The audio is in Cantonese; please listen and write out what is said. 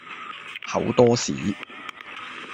厚多士